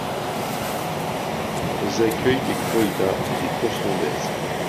Elles accueillent des corridas et des courses landaises.